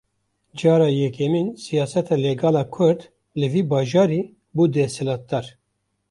Cara yekemîn siyaseta legal a Kurd, li vî bajarî bû desthilatdar